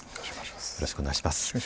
よろしくお願いします。